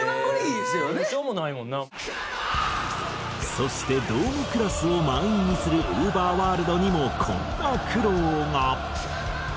そしてドームクラスを満員にするＵＶＥＲｗｏｒｌｄにもこんな苦労が。